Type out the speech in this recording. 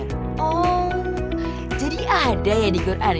oh jadi ada ya di qur an